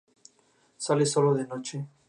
Su última palabra fue: Locke.